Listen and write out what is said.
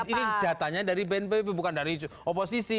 ini datanya dari bnpb bukan dari oposisi